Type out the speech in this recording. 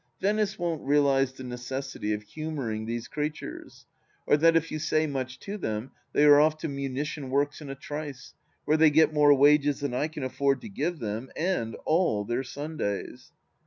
Venice won't realize the necessity of humouring these creatures, or that if you say much to them they are off to munition works in a trice, where they get more wages than I can afford to give them, and all their Sundays.